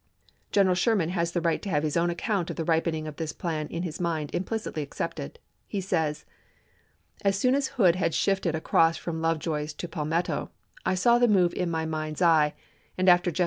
General Sherman has the right to have his own account of the ripening of this plan in his mind implicitly accepted. He says : "As soon as Hood had shifted across from Love joy's to Palmetto, I saw the move in my ' mind's eye,' and after Jeff.